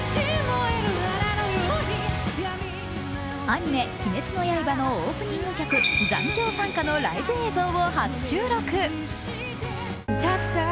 アニメ「鬼滅の刃」のオープニング曲、「残響散歌」のライブ映像を初収録。